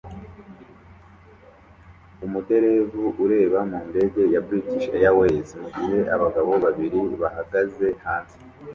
Umuderevu ureba mu ndege ya British Airways mu gihe abagabo babiri bahagaze hanze